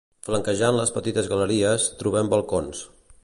Flanquejant les petites galeries, trobem balcons.